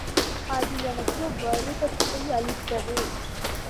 அது எனக்கு வருத்தத்தை அளித்தது.